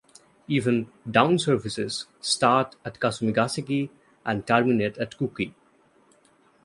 Evening "Down" services start at Kasumigaseki and terminate at Kuki.